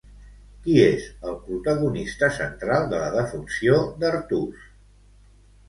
Qui és el protagonista central de la defunció d'Artús?